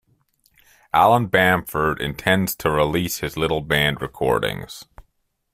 Alan Bamford intends to release his little band recordings.